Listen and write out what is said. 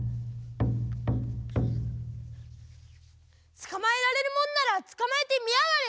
つかまえられるもんならつかまえてみやがれ！